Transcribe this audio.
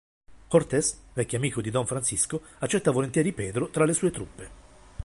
Cortez, vecchio amico di Don Francisco, accetta volentieri Pedro tra le sue truppe.